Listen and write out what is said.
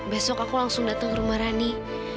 besok aku langsung datang ke rumah rani